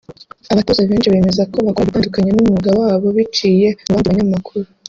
abatoza benshi bemeza ko bakora ibitandukanye numwuga wabo biciye mu bandi banyamakuru